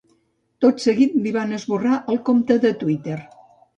Tot seguit li han esborrat el compte de Twitter.